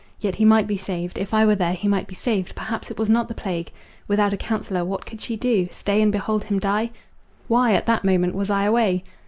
Yet he might be saved. If I were there, he might be saved; perhaps it was not the plague. Without a counsellor, what could she do? stay and behold him die! Why at that moment was I away?